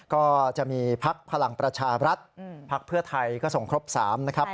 ก็จะมีพักพลังประชารัฐพักเพื่อไทยก็ส่งครบ๓นะครับ